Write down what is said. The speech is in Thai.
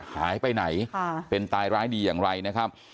หายไปไหนเป็นตายร้ายดีอย่างไรนะครับ